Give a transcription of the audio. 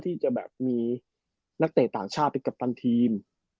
ที่จะแบบมีนักเตะต่างชาติเป็นกัปตันทีม